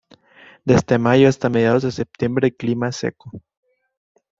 Desde Mayo hasta mediados de Septiembre el clima es seco.